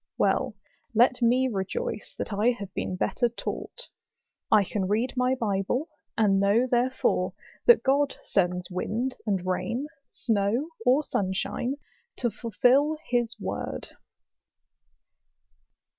Well, let me rejoice that I have been better taught: I can read my Bible, and know therefore that God sends wind and rain, snow or sunshine, to fulfil his word.